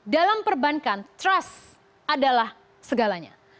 dalam perbankan trust adalah segalanya